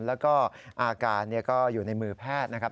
แล้วก็อาการก็อยู่ในมือแพทย์นะครับ